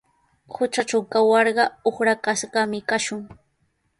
Hutratraw kawarqa uqrakashqami kashun.